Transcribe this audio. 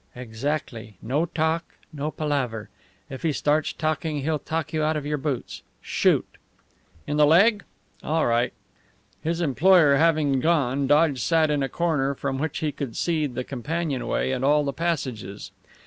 "Exactly! No talk, no palaver! If he starts talking he'll talk you out of your boots. Shoot!" "In the leg? All right." His employer having gone, Dodge sat in a corner from which he could see the companionway and all the passages.